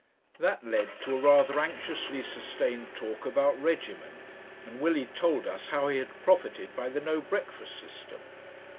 That led to a rather anxiously sustained talk about regimen, and Willie told us how he had profited by the no breakfast system.